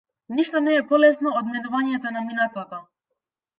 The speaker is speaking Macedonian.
Ништо не е полесно од менувањето на минатото.